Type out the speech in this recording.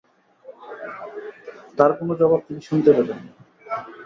তার কোনো জবাব তিনি শুনতে পেলেন।